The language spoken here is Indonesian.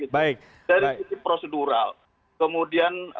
dari prosedural kemudian